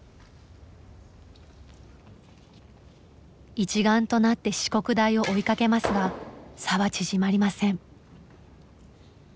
一丸となって四国大を追いかけますが差は縮まりません。